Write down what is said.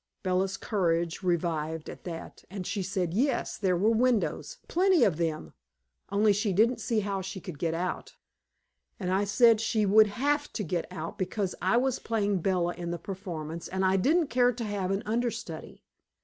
Bella's courage revived at that, and she said yes, there were windows, plenty of them, only she didn't see how she could get out. And I said she would HAVE to get out, because I was playing Bella in the performance, and I didn't care to have an understudy.